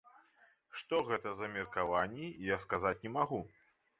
Што гэта за меркаванні, я сказаць не магу.